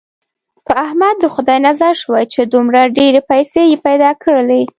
په احمد د خدای نظر شوی، چې دومره ډېرې پیسې یې پیدا کړلې.